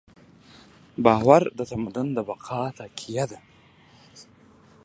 باور د تمدن د بقا تکیه ده.